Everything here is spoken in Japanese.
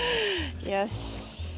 よし。